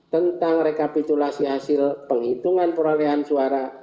tentang rekapitulasi hasil penghitungan perolehan suara